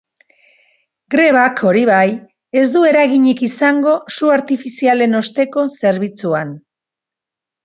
Grebak, hori bai, ez du eraginik izango su artifizialen osteko zerbitzuan.